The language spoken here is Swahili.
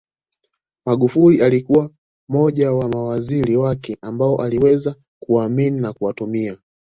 Magufuli alikuwa mmoja wa mawaziri wake ambao aliweza kuwaamini na kuwatumaini